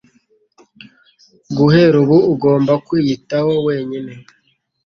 Guhera ubu, ugomba kwiyitaho wenyine.